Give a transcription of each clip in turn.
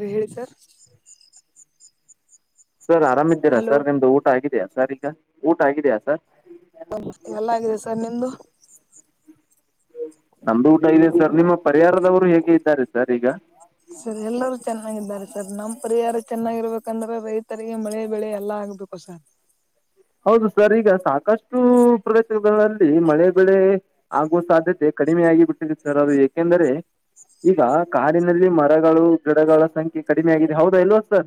ರಹಳ್ಕರ್ sir ಆರಾಮಿದ್ದೀರಾ sir ನಿಮ್ದು ಊಟ ಆಗಿದೆಯಾ ಸರ್ ಈಗ ಊಟ ಆಗಿದೆಯಾ ಸರ್ ಎಲ್ಲಾಗಿದೆ ಸರ್ ನಿಮ್ದು ನಮ್ದು ಊಟ ಇಲ್ಲ ಸರ್ ನಿಮ್ಮ ಪರಿಹಾರದವರು ಹೇಗೆ ಇದ್ದಾರೆ ಸರ್ ಈಗ ಸರ್ ಎಲ್ಲರೂ ಚೆನ್ನಾಗಿದ್ದಾರೆ ಸರ್ ನಮ್ ಪರಿಹಾರ ಚೆನ್ನಾಗಿರ್ಬೇಕಂದ್ರೆ ರೈತರಿಗೆ ಮಳೆ ಬೆಳೆ ಎಲ್ಲಾ ಆಗ್ಬೇಕು ಸರ್ ಹೌದು ಸರ್ ಈಗ ಸಾಕಷ್ಟು ಪ್ರದೇಶಗಳಲ್ಲಿ ಮಳೆ ಬೆಳೆ ಆಗುವ ಸಾಧ್ಯತೆ ಕಡಿಮೆ ಆಗಿಬಿಟ್ಟಿದೆ ಸರ್ ಅದು ಏಕೆಂದರೆ ಈಗ ಕಾರಿನಲ್ಲಿ ಮರಗಳು ಗಿಡಗಳ ಸಂಖ್ಯೆ ಕಡಿಮೆ ಆಗಿದೆ ಹೌದಾ ಇಲ್ವಾ ಸರ್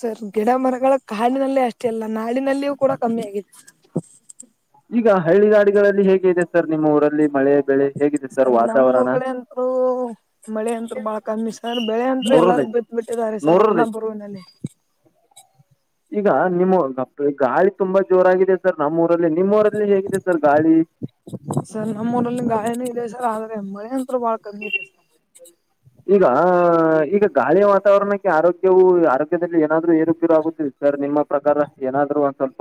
ಸರ್ ಗಿಡ ಮರಗಳ ಕಾಡಿನಲ್ಲೇ ಅಷ್ಟೇ ಅಲ್ಲ ನಾಡಿನಲ್ಲಿಯೂ ಕೂಡ ಕಮ್ಮಿ ಆಗತ್ತು ಹ ಈಗ ಹಳ್ಳಿ ಗಾಡಿಗಳಲ್ಲಿ ಹೇಗೆ ಇದೆ ಸರ್ ನಿಮ್ಮ ಊರಲ್ಲಿ ಮಳೆ ಬೆಳೆ ಹೇಗಿದೆ ಸರ್ ನಮ್ ಊರ್ ಕಡೆ ಅಂತರು ಮಳೆ ಅತ್ರು ಬಾಳ ಕಮ್ಮಿ ಸರ್ ಬೆಳೆ ಅಂತ ಎಲ್ಲಾರ ನೋಡೋದೈತಿ ಬಿತ್ ಬಿಟ್ಟಿದ ಸರ್ ಒನ ನೋಡೋದೈತಿ ಬರುವಿನಲ್ಲಿ ಈಗ ನಿಮ್ಮ ಗಾಳಿ ತುಂಬಾ ಜೋರಾಗಿದೆ ಸರ್ ನಮ್ಮ್ ಊರಲ್ಲಿ ನಿಮ್ಮ ಊರಲ್ಲಿ ಹೇಗಿದೆ ಸರ್ ಗಾಳಿ ಸರ್ ನಮ್ಮ ಊರಲ್ಲಿ ಗಾಯನೂ ಇದೆ ಸರ್ ಆದ್ರೆ ಎಮ್ಮ ತವಳ ಈಗ ಈಗ ಗಾಳಿಯ ವಾತಾವರಣಕ್ಕೆ ಆರೋಗ್ಯವು ಆರೋಗ್ಯದಲ್ಲಿ ಏನಾದ್ರೂ ಏರುಗ್ಯರು ಆಗುತ್ತಿಲ್ಲ ಸರ್ ನಿಮ್ಮ ಪ್ರಕಾರ ನಾದ್ ಒ ಸ್ವಪ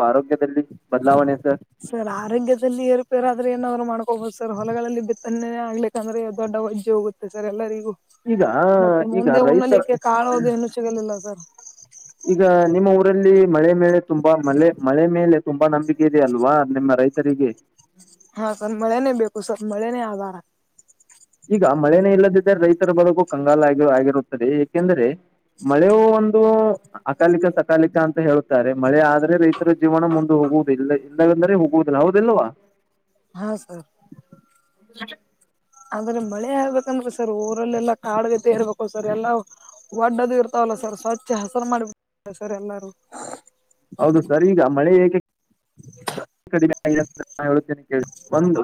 ಸರ್ ಆರಂಗ್ಯದಲ್ಲಿ ಏರುಪೇರಾದ್ರೆ ಏನ್ರು ಮಾಡ್ ಹೋಗದು ಸರ್ ಹೊಲಗಳಲ್ಲಿ ಬಿತ್ತನೆೇ ಆಗ್ಲಿಕ್ಕ ಅಂದ್ರೆ ದೊಡ್ಡ ಒಜ್ಜ ಹೋಗುತ್ತೆ ಸರ್ ಎಲ್ಲರಿಗೂ ಈಗ ಮತ್ತೆ ಈಗ ಮುಂದೆ ರೈತ ಉಣಲಿಕ್ಕೆ ಕಳೋದು ಏನು ಸಿಗಲಿಲ್ಲ ಸರ್ ಈಗ ನಿಮ್ಮ ಊರಲ್ಲಿ ಮಳೆ ಮೇಲೆ ತುಂಬಾ ಮಳೆ ಮಳೆ ಮೇಲೆ ತುಂಬಾ ನಂಬಿಕೆ ಇೆಯ ಅಲ್ವಾ ನಿಮ್ಮ ರೈತರಿಗೆ ಹಾ ಸ್ವ ಮಳೆನೇ ಬೇಕು ಸ್ವಲ್ಪ ಮಳೆನೇ ಆಾರ ಈಗ ಮಳೆನೇ ಇಲ್ಲದಿದ್ದ್ರ ರೈತರ ಬಳಗೂ ಕಂಗಾಲ ಆಗಿ ಆಗಿರುತ್ತದೆ ಏಕೆಂದ್ರೆ ಮಳೆಯ ಒಂದು ಅಕಾಲಿಕ ಸಕಾಲಿಕ ಅಂತ ಹೇಳ್ತಾರೆ ಮಳೆ ಆದ ರೆ ರೈತರ ಜೀವನ ಮುಂದ ಹೋಗುವುದಿಲ್ಲ ಇಲ್ಲಂದರೆ ಹೋಗುವುದಿಲ್ಲ ಹೌದಲ್ವಾ [inaudible] ಹಾ ಸರ್ ಅಂದ್ರೆ ಮಳೆ ಆಗ್ಬೇಕಂದ್ರೆ ಸರ್ ಊರಲ್ಲೆಲ್ಲಾ ಕಾಡ್ಗತೆ ಇರ್ಬೇಕು ಸರ್ ಎಲ್ಲಾ ಒಡ್ಡದು ಇರ್ತಾವಲ್ಲ ಸರ್ ಹಚ್ಚೆ ಹಸರು ಮಾಡಿಬ ಸರ್ ಎಲ್ಲಾರೂ ಹೌದು ಸರ್ ಈಗ ಮಳೆ ಹಏಕೆ ೇನೆ ಒಂದು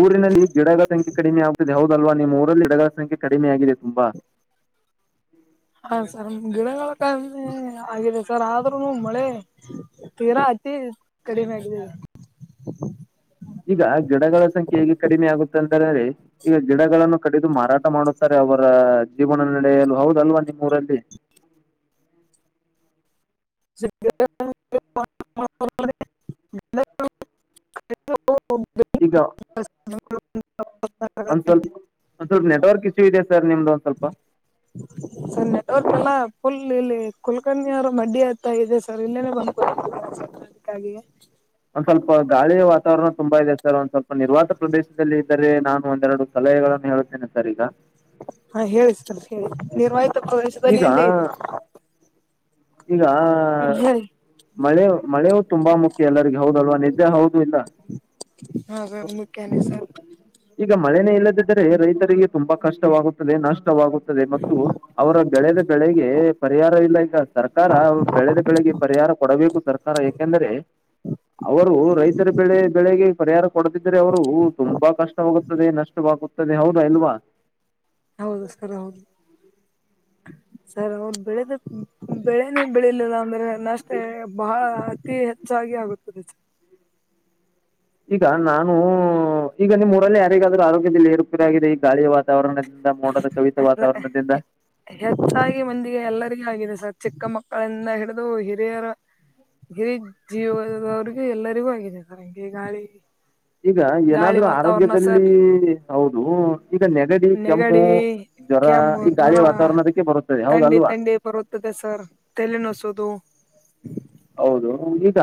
ಊರಿನಲ್ಲಿ ಗಿಡಗಳ ಸಂಖ್ಯೆ ಕಡಿಮೆ ಆ [inaudible] ಹೌದಲ್ವಾ ನಿಮ್ಮ್ ಊರಲ್ಲಿ ಹಿಡಗಳ ಸಂಖ್ಯೆ ಕಡಿಮೆ ಆಗಿದೆ ತುಂಬಾ ಹಾ ಸರ್ ಗಿಡಗಳ ಕಮ್ಮೆ ಆಗಿದೆ ಸರ್ ಆದ್ರೂನು ಮಳೆ ತೀರಾ ಆ ಅತಿ ಕಡಿಮೆಯಾಗಿದೆ ಈಗ ಗಿಡಗಳ ಸಂಖ್ಯೆ ಹೇಗೆ ಕಡಿಮೆ ಆಗುತ್ತೆ ಅಂತಂದ್ರೆ ಈಗ ಗಿಡಗಳನ್ನು ಕಡಿದು ಮಾರಾಟ ಮಾಡುತ್ತಾರೆ ಅವರ ಜೀವನ ನಡೆಯಲು ಹೌದಲ್ವಾ ನಿಮ್ಮ್ೂಊರಲ್ಲಿ [inaudible] ಸಿ ಈಗ [unintelligible] [inaudible] ಒಂದ್ ಸ್ವಲ್ಪ ಒಂದ್ ಸ್ವಲ್ಪ ನೆಟ್ವರ್ಕ್ ಇಶ್ಯೂ ಇದೆ ಸರ್ ನಿಮ್ದು ಒಂದ್ ಸ್ವಲ್ಪ ುಲ್ ಇಲ್ಲಿ ಕುಲ್ಕನ್ಯ್ರ ಮಡ್ಡಿ ಹತ್ತ ಇದೆ ಸರ್ ಇಲ್ಲೇನೆ ಬಂದು ಅದಕ್ಕಾಗಿ ಒಂದ್ ಸ್ವಲ್ಪ ಗಾಳಿ ವಾತಾವರಣ ತುಂಬಾ ಇದೆ ಸರ್ಂದ್ ಸ್ವಲ್ಪ ನಿರ್ವಾತ ಪ್ರದೇಶದಲ್ಲಿ ಇದ್ದರೆ ನಾನು ಒಂದೆರಡು ಸಲಹೆಗಳನ್ನು ಹಳ್ುತ್ತೇನೆ ಸರ್ ಈಗ ಹಾ ಹೇಳಿಸ್ತರ್ ಹೇಳ ನಿರ್ವಾಯಿತ ಪ್ರದೇಶದಲ್ಲಿ ಈಗ ಎಲ್ಲಿ ಈಗ ಮಳೆ ಮಳೆ ತುಂಬಾ ಮುಖ್ಯ ಎಲ್ಲರಿಗ ಹೌದಲ್ವಾ ನಿದ್ದೆ ಹೌದು ಇಲ್ಲ ಹಾ ಸರ್ ಮುಖ್ಯನ ಸರ್ ಈಗ ಮಳೆನೇ ಇಲ್ಲದಿದ್ದರೆ ರೈತರಿಗೆ ತುಂಬಾ ಕಷ್ಟವಾಗುತ್ತದೆ ನಷ್ಟ ನಷ್ಟ ವಾಗುತ್ತದೆ ಮತ್ತು ಅವರ ಬೆಳೆದ ಬೆಳೆಗೆ ಪರಿಹಾರ ಇಲ್ಲ ಈಗ ಸರ್ಕಾರ ಬೆಳೆದ ಬೆಳಗ್ಗೆ ಪರಿಹಾರ ಕೊಡಬೇಕು ಸರ್ಕಾರ ಯಾಕೆಂದ್ರೆ ಅವರು ರೈತರ ಬೆಳೆ ಬೆಳೆಗೆ ಪರಿಹಾರ ಕೊಡದಿದ್ದ್ರೆ ಅವರು ತುಂಬಾ ಕಷ್ಟವಾಗುತ್ತದೆ ನಷ್ಟವಾಗುತ್ತದೆ ಹೌದಾ ಇಲ್ವಾ ಹೌದು ಸರ್ ಹೌದು ಸರ್ ಅವರು ಬೆಳೆದ ಬೆಳೆನ ಬೆಳಿಲಿಲ್ಲ ಅಂದ್ರೆ ನ್ನಷ್ಟೇ ಬಹಳ ಅತಿ ಹೆಚ್ಚಾಗಿ ಆಗುತ್ತದೆ ಈಗ ನಾನು ಈಗ ನಿಮ್ಮ್ ಊರಲ್ಲಿೇ ಯಾರಿಗಾದ್ೂ ಆರೋಗ್ಯದಲ್ಲಿ ಏರುಪಿರ ಆಾಗಿದೆ ಈ ಗಾಳಿಯ ವಾತಾವರಣ ಹೆಚ್ಚಾಗಿ ಮಂದಿಗೆ ಎಲ್ಲರಿಗೂ ಆಗಿದೆ ಸರ್ ಚಿಕ್ಕ ಮಕ್ಕಳಿಂದ ಹಿಡಿದು ಹಿರಿಯರ ಹಿ ಜೀವದವ್ರಗೂ ಎಲ್ಲರಿಗೂ ಆಗಿದೆ ಸರ್ ಹಂಗೆ ಗಾಳಿ ಈಗ ಗಾಳಿ ಏನಾದ್ರೂ ವಾತಾವರಣ ಆರೋಗ್ಯದಲ್ಲಿ ಸರ್ ಹೌದು ಈಗ ನೆಗಡಿ ಕೆಮ್ಮು ಜ್ವರ ಕೆಮ್ಮ ಈ ಗಾಳಿ ಜ್ವರ ವಾತಾವರಣದಕ್ಕೆ ಬರುತ್ತದೆ ಂಡಿ ಹೌದಲ್ವಾ ತಂಡಿ ಬರುತ್ತದೆ ಸರ್ ತಲೆ ನಸೋದು ಹೌದು ಈಗ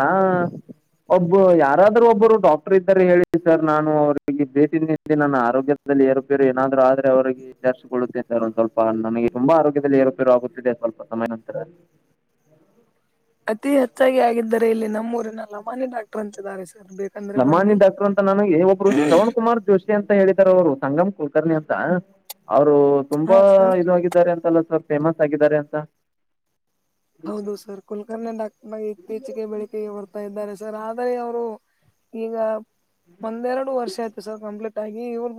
ಒಬ್ಬ ಯಾರಾದ್ರೂ ಒಬ್ಬರು ಡಾಕ್ಟರ್ ಇದ್ದಾರೆ ಹೇಳಿ ಸರ್ ನಾನು ಅವ್ರಿಗೆ ಭೇಟಿ ನಿಂತೆ ನನ್ನ ಆರೋಗ್ಯ ಏರರುಪೇರು ಏನಾದ್ೂ ಆದ್ರೆ ಅವರಿಗೆಗೆಚಿಸಿಕೊಳ್ಳುತ್ತೆ ಸರ್ ಒಂದ ಸ್ವಲ್ಪ ನನಗೆ ತುಂಬಾ ಆರೋಗ್ಯದಲ್ಲಿ ಏರರುಪೇರು ಆಗುತ್ತಿದೆ ಸರ್ ಸ್ವಲ್ಪ ಸಮಯ ನಂತರ ಅತಿ ಹೆಚ್ಚಾಗಿ ಆಗರೆ ಇಲ್ಲಿ ನಮ್ಮ ಊರಿನ ರಮಾನಿ ಡಾಕ್ಟರ್ ಅಂತ ನಮಾನಿ ಡಾಕ್ಟರ್ ಅಂತ ನನು ಒಬ್ರು ಶ್ರವಣ ಕುಮಾರ್ ಜೋಶಿ ಅಂತ ಹೇಳಿದ್ದಾರೆ ಅವರು ಸಂಗಮ್ ಕುಲ್ಕರ್ಣಿ ಅಂತ ಅವರು ಹಾ ತುಂಬಾ ಸರ್ ಇದಾಗಿದ್ದಾರೆ ಅಂತಲ್ಲ ಸರ್ ಫೇಮಸ್ ಆಗಿದ್ದಾರೆ ಅಂತ ಹೌದು ಸರ್ ಕುಲ್ಕರ್ಣೆ ಡಾಕ್ಟ ಇತ್ತೀಚೆಗೆ ಬೆಳಿೆಗೆ ಬರ್ತಾ ಇದ್ದಾರೆ ಸರ್ ಆದರೆ ಅವರು ಈಗ ಒಂದೆರಡು ವರ್ಷ ಆಯ್ತು ಸರ್ ಕಂಪ್ಲೀಟ್ ಆಗಿ ಇವ್ರ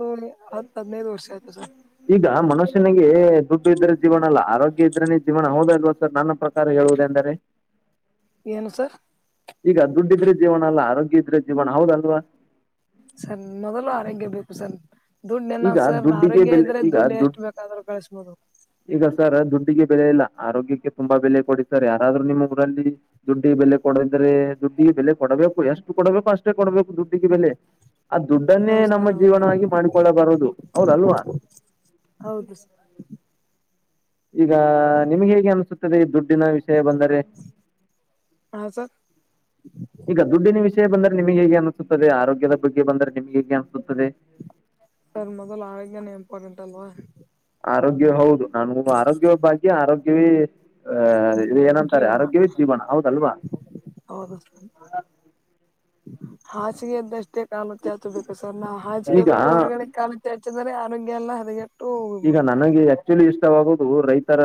ಈಗ ಮನುಷ್ಯನಿಗೆ ದುಡ್ಬ ಇದ್ದರೆ ಜೀವನಲ್ಲ ಆರೋಗ್ಯ ಇದ್ರ ನೀ ಜೀವನ ಹೌದಲ್ವಾ ಸರ್ ನನ್ನ ಪ್ರಕಾರ ಹೇಳುವುದು ಎಂದರೆ ಏನು ಸರ್ ಈಗ ದುಡ್ಡಿದ್ರೆ ಜೀವನ ಅಲ್ಲ ಆರೋಗ್ಯ ಇದ್ರೆ ಜೀವನ ಹೌದಲ್ವಾ ಸರ್ ನಗಲು ಆರೋಗ್ಯ ಬೇಕು ಸರ್ ದುಂಡ್ ಏನ ಈಗ ಸರ್ ದುಡ್ಡಿಗೆ ಆರೋಗ್ಯ ಬೆಲೆ ಇದ್ರೆ ಈಗ ದುಂಡ್ ಎಷ್ಟು ದುಡ್ಡು ಬೇಕಾದ್ರೂ ಕಳ್ಿಸಬೋದು ಈಗ ಸರ್ ದುಡ್ಡಿಗೆ ಬೆಲೆ ಇಲ್ಲ ಆರೋಗ್ಯಕ್ಕೆ ತುಂಬಾ ಬೆಲೆ ಕೊಡಿ ಸರ್ ಯಾರಾದ್ರೂ ನಿಮ್ಮ ಊರಲ್ಲಿ ದುಡ್ಡಿಗೆ ಬೆಲೆ ಕೊ ಕೊದ್ರೆ ದುಡ್ಡಿಗೆ ಬೆಲೆ ಕೊಡಬೇಕು ಎಷ್ಟು ಕೊಡಬೇಕು ಅಷ್ಟೇ ಕೊಡಬೇಕು ದುಡ್ಡಿಗೆ ಬೆಲೆ. ಆ ದುಡ್ಡನ್ನೇ ಹೌದು ನಮ್ಮ ಸರ್ ಹೌದು ಹೌದು ಜೀವನವಾಗಿ ಮಾಡಿಕೊಳ್ಳ ಬಾ ರುದು ಹೌದಲ್ವಾ. ಹೌದು ಸರ್. ಈಗ ನಿಮ್ಗೆ ಹೇಗೆ ಅನ್ಸುತ್ತದೆ ದುಡ್ಡ್ ದಿನ ವಿಷಯ ಬಂದರೆ. ಹಾ ಸರ್ ಈಗ ದುಡ್ಡಿನ ವಿಷಯ ಬಂದರೆ ನಿಮಗೆ ಹೇಗೆ ಅನಿಸುತ್ತದೆ ಆರೋಗ್ಯದ ಬಗ್ಗೆ ಬಂದರೆ ನಿಮಗೆ ಹೆಂಗೆ ಅನಿಸ್ ಸರ್ ಮೊದಲು ಆರೋಗ್ಯನೇ ಇಂಪಾರ್ಟೆಂಟ್ ಅಲ್ವಾ. ಆರೋಗ್ಯ ಹೌದು ನಾನ ಆರೋಗ್ಯವೇ ಭಾಗ್ಯ ಆರೋಗ್ಯವೇ ಆಹ ಇದು ಏನಂತಾರೆ ಜೀವನ ಆರೋಗ್ಯವೇ ಜೀವನ ಹೌದಲ್ವಾ. ಹೌದು ಸರ್ ಹಾಸಿಗೆ ಇದ್ದಷ್ಟೇ ಕಾಲು ಚಾಚಬೇಕು ಸರ್ ನಾವು ಹಾಸಿಗೆ ಈಗ ಬಿಟ್ಟು ಹೊರಗಡೆ ಕಾಲು ಚಾಚ ಚಿದರೆ ಆರೋಗ್ಯ ಎಲ್ಲ ಹದಗೆ ಈಗ ನನಗೆ ಆಕ್ಚುಲಿ ಇಷ್ಟವಾಗು ರೈತರ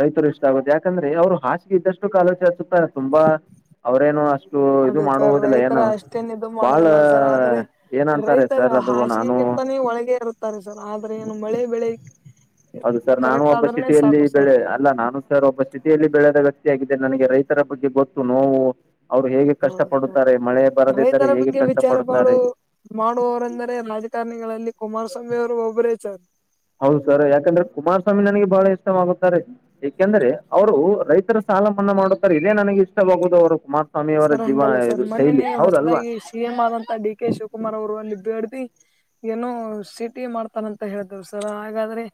ರೈತರು ಇಷ್ಟ ಆಗುದು ಯಾಕಂದ್ರೆ ಅವ್ರು ಹಾಸಿಗೆ ಇದ್ದಷ್ಟು ಕಾಲು ಚಾಚ್ ತುಂಬಾ ಅವ್ರೇನು ಅಷ್ಟ್ ಅದೇ ಸರ್ ರೈತರ ಅಷ್ಟೇನ್ ಇದು ಬಾಳ ಮಾಡೋದಿಲ್ಲ ಸರ್ ಆದ್ರೆ ಏನಂತಾರೆ ರೈತರ ಸರ್ ಅದು ನಾನು ಹಾಸಿಗೆಗೆ ನೇ ಒಳಗೆ ಇರುತ್ತಾರೆ ಸರ್ ಆದ್ರೆ ಏನು ಮಳೆ ಬೆಳೆಯಕ್ ಹೌದು ಸರ್ ನಾನು ಒಬ್ಬ ಸಿಟಿಯಲ್ಲಿ ಸರ್ ಬೆಳೆ ಅಲ್ಲ ನಾನು ಸರ್ ಒಬ್ಬ ಸಿಟಿಯಲ್ಲಿ ಬೆಳೆದಾಗ [unintelligible] ನನಗೆ ರೈತರ ಬಗ್ಗೆ ಗೊತ್ತು ನೋವು ಅವ್ರು ಹೇಗೆ ಕಷ್ಟ ಹೌದು ಸರ್ ಪಡುತ್ತಾರೆ ಮಳೆ ಬರದಿದ್ದರೆ ರೈತರ ಹೇಗೆ ಬಗ್ಗೆ ಕಷ್ಟ ವಿಚಾರ ಪಡುತ್ತಾರೆ. ಮಾಡು ಮಾಡುವವರೆಂದರೆ ರಾಜಕಾರಣಿಗಳಲ್ಲಿ ಕುಮಾರಸ್ವಾಮಿ ಅವರು ಒಬ್ಬರೇ ಸರ್. ಹೌದು ಸರ್ ಯಾಕಂದ್ರೆ ಕುಮಾರಸ್ವಾಮಿ ನನಗೆ ಬಹಳ ಇಸ್ ಇಷ್ಟವಾಗುತ್ತಾರೆ ಏಕೆಂದ್ರೆ ಅವರು ರೈತರ ಸಾಲ ಮನ್ನಾ ಮಾಡುತ್ತಾರೆ ಇದೇ ನನಗೆ ಇಷ್ಟವಾಗುದು ಅವರು ಕುಮ್ ಸರ್ ಹಂಗಲ್ಲ ಸರ್ ಮೊನ್ನೆ ನೀವು ಹೊಸದಾಗಿ ಸಿ ಎಂ ಆದಂತ ಡಿ ಕೆ ಶಿವಕುಮಾರ್ ಅವರು ಒಂದು ನಿ ಏನೋ ಸಿಟಿ ಮಾಡ್ತಾನಂತ ಹೇಳಿದ್ ಸರ್ ಹಾಗಾದ್ರೆ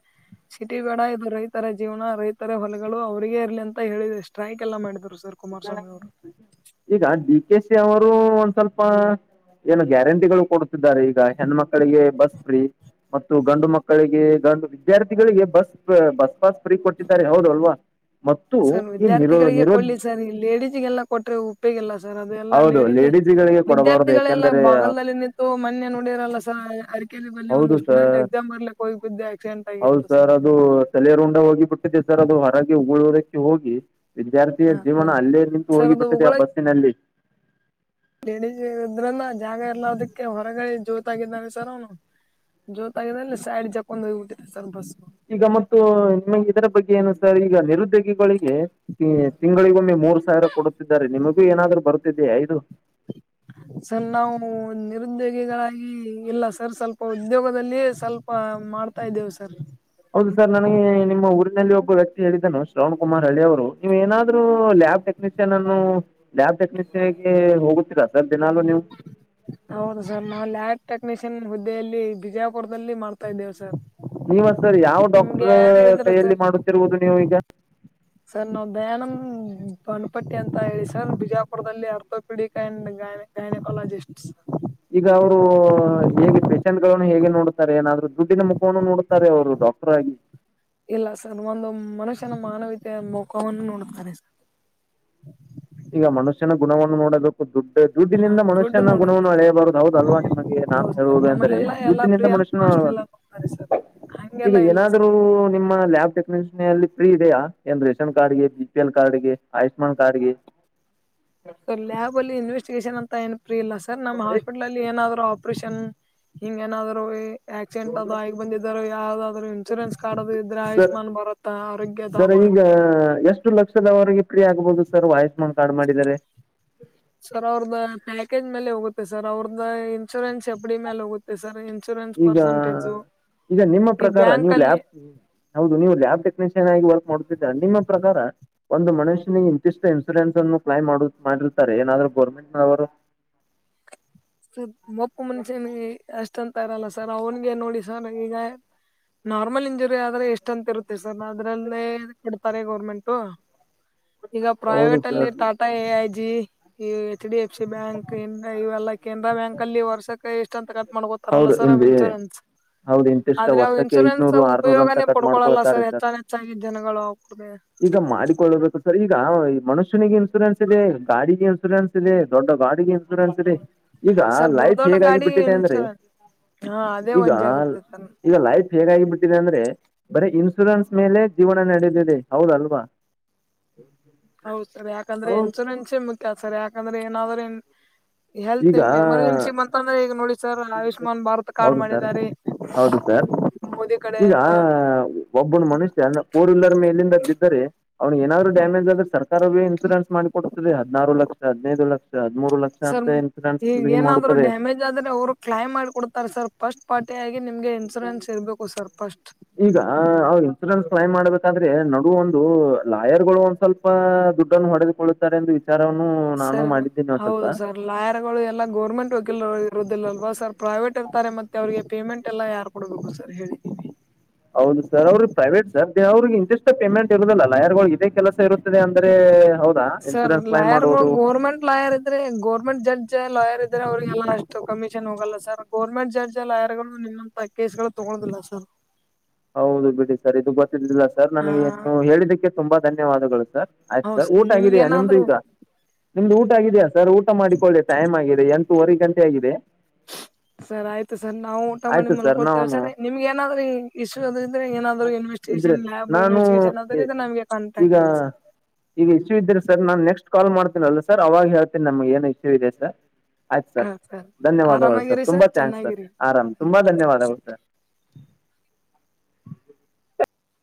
ಸಿಟಿ ಬೇಡ ಇದು ರೈತರ ಜೀವನ ರೈತರ ಹೊಲಗಳು ಅವ್ರರಿಗೆ ಇರ್ಲಿ ಅಂತ ಹೇಳಿ ಸ್ಟ್ರೈಕ್ ಎಲ್ಲಾ ಮಾಡಿದ್ರು ಸರ್. ಸರ್ ಕುಮಾರ್ ಸ್ವಾಮಿ ಅವ್ರು. ಈಗ ಡಿ ಕೆ ಸಿ ಅವ್ರು ಒಂದ್ ಸ್ವಲ್ಪ ಏನು ಗ್ಯಾರಂಟಿಗಳು ಕೊಡ್ ಈಗ ಹೆಣ್ಣ್ ಮಕ್ಕಳಿಗೆ ಬಸ್ ಫ್ರೀ ಮತ್ತು ಗಂಡು ಮಕ್ಕಳಿಗೆ ಗಂಡು ವಿದ್ಯಾರ್ಥಿಗಳಿಗೆ ಬಸ್ ಬಸ್ ಪಾಸ್ ಫ್ರೀ ಕೊಟ್ಟಿದ್ದಾರೆ ಹೌದು ಅಲ್ವಾ. ಮತ್ತು ಸರ್ ಈ ನಿರೋ ವಿದ್ಯಾರ್ಥಿಗಳಿಗೆ ನಿರೋದ್ ಕೊಡ್ಲಿ ಸರ್ ಈ ಲೇಡೀಸ್ಗೆಲ್ಲ ಕೊಟ್ರೆ ಉಪಯೋಗಿಲ್ಲ ಸರ್ ಅದೆಲ್ಲಾ ಹೌದು ಲೇಡೀಸ್ ಲೇಡೀಸ್ಗಳಿಗೆ ಕೊಡಬಾರದು ವಿದ್ಯಾರ್ಥಿಗಳೆಲ್ಲ ಯಾಕೆಂದರೆ ಬಾಗಲ್ದಲ್ಲಿ ನಿಂತು ಮೊನ್ನೆ ನುಡಿಯರೆಲ್ಲ ಸರ್ ಅರ್ ಹೌದು ಸರ್ ಬಿದ್ದು ಆಕ್ಸಿಡೆಂಟ್ ಹೌದ್ ಆಗಿತ್ತು ಸರ್ ಅದು ತಲೆರುಂಡ ಹೋಗಿಬಿ ಬಿಟ್ಟಿದೆ ಸರ್. ಸರ್ ಅದು ಹೊರಗೆ ಊರವ್ರೆ ಹೋಗಿ ವಿದ್ಯಾರ್ಥಿಯ ಹಾ ಜೀವನ ಸರ್ ಅಲ್ಲೇ ನಿಂತು ಸರ್ ಹೋಗಿ ಬಿಟ್ಟಿದೆ ಆ ಬಸ್ಸಿನಲ್ಲಿ. ಲೇಡಜ ಇದ್ರನ್ನ ಜಾಗ ಇರ್ಲ್ಲ ಅದಕ್ಕೆ ಹೊರಗಡೆ ಜೋತಗಿದ್ದಾನೆ ಸರ್ ಅವನು. [unintelligible] ಅಲ್ಲಿ ಸೈಡ್ ಜಪೊಂಡ ಹೋಗಿಬಿಟ್ಟಿದೆ ಸ್ವಲ್ಪ ಈಗ ಮತ್ತು ನಮ್ಮ ಇದರ ಬಗ್ಗೆ ಏನು ಸರ್ ಈಗ ನಿರುದ್ಯೋಗಿಗಳಿಗೆ ತಿಂಗಳಿಗೊಮ್ಮೆ ಮೂರ್ ಸಾವಿರ ಕೊಡುತ್ತಿದ್ದಾರೆ ನಿಮಗೂ ಏನಾದ್ರು ಬರ್ತಿದೆಯಾ ಇದು. [inaudible] ಸರ್ ನಾವು ನಿರುದ್ಯೋಗಿಗಳಾಗಿ ಇಲ್ಲ ಸರ್ ಸ್ವಲ್ಪ ಉದ್ಯೋಗದಲ್ಲಿಯೇ ಸ್ವಲ್ಪ ಮಾಡ್ತಾ ಇದ್ದೇವು ಸರ್. ಹೌದು ಸರ್ ನನಗೆ ನಿಮ್ಮ ಊರಿನಲ್ಲಿ ಒಬ್ ವ್ಯಕ್ತಿ ಹೇಳಿದ್ದನು ಶ್ರವಣ ಕುಮಾರ್ ಹಳ್ಳಿ ಅವರು ನೀವು ಏನಾದ್ ಲ್ಯಾಬ್ ಟೆಕ್ನಿಷಿಯನ್ ಅನ್ನು ಲ್ಯಾಬ್ ಟೆಕ್ನಿಷಿಯನ್ [unintelligible] ಹೋಗುತ್ತೀರಾ ಸರ್ ದಿನಾಲು ನೀವು. ಹೌದು ಸರ್ ನಾವು ಲ್ಯಾಬ್ ಟೆಕ್ನಿಷಿಯನ್ ಹುದ್ದೆಯಲ್ಲಿ ಬಿಜಾಪುರದಲ್ಲಿ ಮಾಡ್ತಾ ಇದ್ದೇವೆ ಸರ್. ನೀವ ಸರ್ ಯಾವ ನಿಮ್ಗೆ ಡಾಕ್ಟರ್ ಯಾರು ಹೇಳಿದ್ರು ಕೈಯಲ್ಲಿ ಸರ್ ಮಾಡುತ್ತಿರ್ವುದು ನೀವು ಈಗ. ಸರ್ ನಾವು ದಯಾನಂದ್ ಬನ್ಪಟ್ಟಿ ಅಂತ ಹೇಳಿ ಸರ್ ಬಿಜಾಪುರದಲ್ಲಿ ಆರ್ಥೋಪೀಡಿಕ ಅಂಡ್ [unintelligible] ಗ್ಯಾಂನಕಾಲೋಜಿಸ್ಟ್. ಈಗ ಅವ್ರು ಹೇಗೆ ಪೇಷೆಂಟ್ ಗಳನ್ನು ಹೇಗೆ ನೋಡ್ುತ್ತಾರೆ ಏನಾದ್ೂ ದುಡ್ಡಿನ ಮುಖವನ್ನು ನೋಡ್ುತ್ತಾರೆ ಅವರು ಡಾಕ್ಟರ್ ಆಗಿ ಇಲ್ಲ ಸರ್ ಒಂದು ಮನುಷ್ಯನ ಮಾನವೀತೆೆಯ ಮುಖವನ್ನು ನೋಡತಾರೆ [inaudible] ಈಗ ಮನುಷ್ಯನ ಗುಣವನ್ನು ನೋಡದಕ್ಕೂ ದುಡ್ ಹಾ ದುಡ್ಡಿನಿಂದ ದುಡ್ಡು ಮನುಷ್ಯನ ನೋಡಲ್ಲ ಗುಣವನ್ನು ಅಳೆಯಬಾರದು ಹೌದಲ್ವಾ ನಿಮಗೆ ನಾನು ಹೌದು ಸರ್ ಹೇಳುವುದು ಅಂದ್ರೆ ನಮ್ಮಲ್ಲೆಲ್ಲಾ ಎಲ್ಲಾ ಫ್ರೀ ದುಡ್ಡಿನಿಂದ ಮನುಷ್ಯನ [inaudible] ಈಗ ಇಲ್ಲ ಸರ್ ಏನಾದ್ರು ನಿಮ್ಮ ಲ್ಯಾಬ್ ಟೆಕ್ನ ಲ್ಲಿ ಫ್ರೀ ಇದೆಯಾ ಏಂದ ರೇಷನ್ ಕಾರ್ಡ್ಗೆ ಬಿ ಪಿ ಎಲ್ ಕಾರ್ಡ್ ಗೆ ಆಯುಷ್ಮಾನ್ ಕಾರ್ಡ್ ಗೆ ಸರ್ ಲ್ಾ ಅಲ್ಲಿ ಇನ್ವೆಸ್ಿಗೇಷನ್ ಅಂತ ಏನು ಪ್ರ ಇಲ್ಲ ಸರ್ ನಮ್ಮ್ ಹಾಸ್ಪಿಟಲ್ಲ್ಲಿ ಏನಾದ್ರು ಡಿಪ್ರೆಷನ್ ಹಿಂಗೆ ಏನಾದರು ಆಕ್ಸಿಡೆಂಟ್ ಅದ ಆಗಿ ಬಂದಿದರು ಯಾವ್ದದಾದ್ರರು ಇನ್ಶೂರೆನ್ಸ್ ಕಾರ್ಡ್ ಅ ಇದ್ರೆ ಸರ್ ಆಯುಷ್ಮಾನ್ ಬರುತ್ತಾ ಆರೋಗ್ಯದ ಸರ್ ಈಗ ಎಷ್ಟು ಲಕ್ಷದವರೆಗೆ ಫ್ರೀ ಆಗ್ಬಹುದು ಸರ್ ಆಯುಷ್ಮಾನ್ ಕಾರ್ಡ್ ಮಾಡರೆ ಸರ್ ಅವ್ರದ ಪ್ಯಾಕೇಜ್ ಮೇಲೆ ಹೋಗುತ್ತೆ ಸರ್ ಅವ್ರ್ದ ಇನ್ಶೂರೆನ್ಸ್ ಎಪ್ಡಿ ಮೇಲೆ ಹೋಗುತ್ತೆ ಸರ್ ಇನ್ರೆನ್ಸ್ ಈಗ ಪರ್ಸೆಂಟೇಜು ಈಗ ನಿಮ್ಮ ಈ ಪ್ರಕಾರ ಬ್ಯಾಂಕ್ ನೀವು್ ಅಲ್ಲಿ ಲ್ಯಾಬ್ ಹೌದು ನೀವು ಲ್ಯಾಬ್ ಟೆಕ್ನಿಷಿಯನ್ ಆಗಿ ವರ್ಕ್ ಮಾಡುತ್ತಿದ್ದ್ರರ ನಿಮ್ಮ ಪ್ರಕಾರ ಒಂದು ಮನುಷ್ಯನ ಇಂತಿಷ್ಟು ಇನ್ಸೂರೆನ್ಸ್ ಅನ್ನು ಕ್ಲೈಮ್ ಮಾಡ ಮಾಡಿರ್ತಾರೆ ಏನಾದ್ರು ಗೋರ್ಮೆಂಟ್ ನವರು ಹ ಸರ್ ಮಪ್ಪು ಮನ್ಷ್ಯನ ಅಷ್ಟ ಅಂತ ಇರಲ್ಲ ಸರ್ ಅವ್ನ್ಿಗೆ ನೋಡಿ ಸರ್ ಈಗ ನಾರ್ಮಲ್ ಇಂಜುರಿ ಆದ್ರೆ ಎಷ್ಟ ಅಂತ ಇರುತ್ತೆ ಅದ್ರಲ್ಲೇ ಕೊಡ್ತಾರೆ ಗೌರ್ಮೆಂಟು ಈಗ ಹೌದು ಪ್ರೈವೇಟ್ ಅಲ್ಲಿ sir Tata A I G ಈ H D F C bank ಇ ಇವೆಲ್ಲ ಕೆನರಾ ಬ್ಯಾಂಕ್ ಅಲ್ಲಿ ವರ್ಷಕ್ಕೆ ಎಷ್ಟ ಅಂತ ಕಟ್ ಮಾಡ್ಕೋತಾರಲ್ಲ ಹೌದು ಸರ್ ಇಲ್ಲಿ ಇನ್ಶೂರೆನ್ಸ್ ಹೌದು ಇಂತಿಷ್ಟ ಆದ್ರೆವು ವರ್ಷಕ್ಕೆ ಇನ್ಶೂರೆನ್ಸ್ ಐದ್ನೂರು ಆರ್ನೂರು ಅಂತ ಉಪಯೋಗನೇ ಕಟ್ ಪಡ್ಕೊಳಲ್ಲ ಮಾಡ್ಕೊಳ್ತಾರೆ ಸರ್ ಹೆಚ್ಚನ್ ಹೆಚ್ಚಾಗಿ ಜನಗಳು ಅವ ಕುೂಡದೆ ಈಗ ಮಾಡಿಕೊಳ್ಳಬೇಕು ಈಗ ಮನುಷ್ಯನಿಗೆ ಇನ್ಸೂರೆನ್ಸ್ ಇದೆ ಗಾಡಿಗೆ ಇನ್ಸೂರೆನ್ಸ್ ಇದೆ ದೊಡ್ಡ ಗಾಡಿಗೆ ಇನ್ಶೂರೆನ್ಸ್ ಇದೆ ಈಗ ಸರ್ ದೊಡ್ಡ ಲೈಫ್ ದೊಡ್ಡ ಹೇಗಾಗಿ ಗಾಡಿ ಬಿಟ್ಟಿದೆ ಅಂದ್ರೆ ಇನ್ಶೂರೆನ್ಸ್ ಹಾ ಅದೇ ಈಗ ವಜ್ಜೆ ಆಗುತ್ತೆ ಸರ್ ಈಗ ಲೈಫ್ ಹೇಗಾಗಿಬಿಡ್ಟ್ಟಿದೆ ಅಂದ್ರೆ ಬರೀ ಇನ್ಶೂರೆನ್ಸ್ ಮೇಲೆ ಜೀವನ ನಡದಿದೆ ಹೌದಲ್ವಾ ಹೌದ ಸರ್ ಯಾಕಂದ್ರೆ ಹೌದು ಇನ್ಸೂರೆನ್ಸೇ ಮುಖ್ಯ ಸರ್ ಯಾಕಂದ್ರೆ ಏನಾದ್ರ ಎಲ್ತ್ ಈಗ ಎಮರ್ಜೆನ್ಸಿ ಮಂತ ಅಂದ್ರೆ ಈಗ ನೋ ಹೌದು ಸರ್ ಹೌದು ಸರ್ ಮೋದಿ ಕಡೆ ಈಗ ಅಂತ ಒಬ್ಬನ ಮನುಷ್ಯ ಫೋರ್ ವೀಲರ್ ಮೇಲಿಂದ ಬಿದ್ದರೆ ಅವ್ನು ನಾದ್ರು ಡ್ಯಾಮೇಜ್ ಆದ್ರ ಸರ್ಕಾರವೇ ಇನ್ಶೂರೆನ್ ಮಾಡಿ ಕೊಡ್ತರಿ ಹದ್ರು ಲಕ್ಷ ಹದಿನೈದು ಲಕ್ಷ ಹದ್ಮೂರು ಲಕ್ಷ ಸರ್ ಅಂತ ಇನ್ಸೂರೆನ್ಸ್ ಈಗ ಗ ಏನಾದ್ರು ಮಾಡುತ್ತಾರೆ ಡ್ಯಾಮೇಜ್ ಆದ್ರೆ ಅವರು ಮಾಡಿ ಕೊಡ್ತಾರೆ ಸರ್ ಫಸ್ಟ್ ಪಾರ್ಟಿ ಆಗಿ ನಿಮ್ಗೆ ಇನ್ಸೂರೆನ್ಸ್ ಇರ್ಬೇಕು ಸ್ವಲ್ಪಷ್ಟ ಕಲೈಮ್ ಮಾಡ್ಬೇಕಂದ್ರೆ ನಡು ಒಂದು ಲಾಯರ್ ಗಳು ಒಂದ್ ಸ್ವಲ್ಪ ದುಡ್ಡನ್ನು ಹೊಡೆದುಕೊಳ್ಳುತ್ತಾರೆ ಎಂದು ವಿಚಾರವನ್ನು ನಾನು ಸರ್ ಮಾಡಿದ್ದೀನಿ ಒಂದ್ ಸ್ವಲ್ಪ ಹೌದು ಸರ್ ಲಾಯರ್ ಗಳು ಎಲ್ಲಾ ಗೋರ್ಮೆಂಟ್ ವಕೀಲ ಇರುದಿಲ್ಲಲ್ವಾ ಸರ್ ಪ್ರೈವೇಟ್ ಇರ್ತಾರೆ ಮತ್ತೆ ಅವ್ರಿಗೆ ಪೇಮೆಂಟ್ ಎಲ್ಲ ಯಾರ್ು ಕೊಡಬೇಕು ಸರ್ ಹೇಳಿದೀಿ ಹೌದು ಸರ್ ಅವ್ರಗ್ ಪ್ರೈವೇಟ್ ಸರ್ ದೇವ್ರಿಗೆ ಇಂಷ್ಟ ಪೇಮೆಂಟ್ ಇರುದಲ್ಲ ಲ ನಾಯರ್ಗಳು ಇದೇ ಕೆಲಸ ಇರುತ್ತದೆ ಅಂದ್ರೆ ಹೌದಾ ಸರ್ ಇನ್ಸೂರೆನ್ಸ್ ಕ್ಲೈಮ್ ಲಾಯರ್ಗಳು ಮಾಡುವುದು ಗೋರ್ಮೆಂಟ್ ಲಾಯರ್ ಇದ್ರೆ ಗೋರ್ಮೆಂಟ್ ಜಡ್ಜ್ ಲಾಯರ್ ಇದ್ದಾರೆ ಅವ್ರರಿಗೆಲ್ಲ ಅಷ್ಟು ಕಮಿಷನ್ ಹೋಗಲ್ಲ ಸರ್ ಗೌರ್ಮೆಂಟ್ ಜಾರ್ಜ್ ಲಾಯರ್ ಗಳು ನಿಮ್ಮಂತ ಕೇಸ್ ತೊಂಡ ಹದಲ್ಲ ಸರ್ ಹೌದು ಬಿಡಿ ಸರ್ ಇದು ಗೊತ್ತರ್ಲಿಲ್ಲ ಸರ್ ಹಾ ನನಗೆ ನೀವು ಹೇಳಿದಕ್ಕೆ ತುಂಬಾ ಧನ್ಯವಾದಗಳು ಸರ್ ಹೌದು ಆಯ್ಸ ಸರ್ ನಿಮ್ಗೆ ಊಟಗಿದಯಾ ನಿಮ್ದು ಏನಾದ್ರು ಈಗ ನಿಮ್ದ ಊಟ ಆಗಿದೆಯಾ ಸರ್ ಊಟ ಮಾಡಿಕೊಳ್ಳಿ ಟೈಮ್ ಆಗಿದೆ ಎಂತೂವರೆ ಗಂಟೆ ಆಗಿದೆ ಸರಿ ಆಯ್ತು ಸರ್ ನಾವು ಊಟ ಮಾಡಿ ಆಯಿತು ಸರ್ ಮಲ್ಕೋತೇವೆ ನಾನು ಸರಿ ನಿಮ್ಗೆ ಏನಾದ್ರೂ ಇಷ್ಟ ಏನಾದ್ರು ಇದ್ರೆ ಇನ್ವೆಸ್ಟಗೇಷನ್ ಲ್ಬ್ ನಾನು ಇನ್ವೆಸ್ಟಿೇಷನ್ ಅ್ರ ಈ- ಇದೆ ನಮಗೆ ಈಗ ಕಾಟಾಕ್ಟ್ ಮಾಡಿ ಸರ್ ಈಗ ಇಶ್ಯೂ ಇದ್ದ್ರರಿ ಸರ್ ನಾನ್ ನೆಕ್ಸ್ಟ್ ಕಾಲ್ ಮಾಡ್ತೀನಲ್ಲ ಸರ್ ಅವಾಗ ಹೇಳ್ತನಿ ನಮ್ಗೆ ಏನು ಇಶ್ಯೂ ಇದೆ ಸರ್ ಆಯ್ತು ಹಾ ಸರ್ ಧನ್ಯವಾದಗಳು ಸರ್ ಆರಾಮಾಗಿರಿ ತುಂಬಾ ಥ್ಯಾಂಕ್ಸ್ ಸರ್ ಚೆನ್ನಾಗಿರಿ ಆರಾಮ್ ತುಂಬಾ ಧನ್ಯವಾದಗಳು ಸರ್